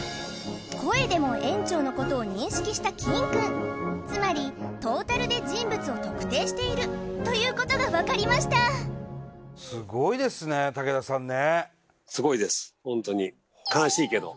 声でも園長のことを認識したキンくんつまりトータルで人物を特定しているということがわかりましたすごいですね竹田さんね